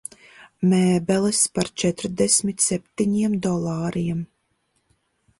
Mēbeles par četrdesmit septiņiem dolāriem.